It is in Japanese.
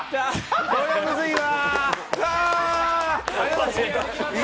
これはむずいわ。